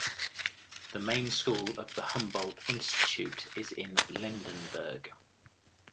The main school of the Humboldt Institute is in Lindenberg.